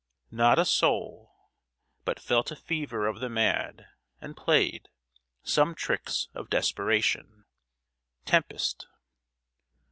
Not a soul But felt a fever of the mad, and played Some tricks of desperation. TEMPEST.